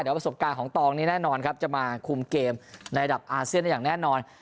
เดี๋ยวประสบการณ์ของตองนี้แน่นอนครับจะมาคุมเกมในระดับอาเซียนได้อย่างแน่นอน